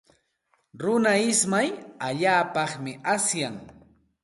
Runa ismay allaapaqmi asyan.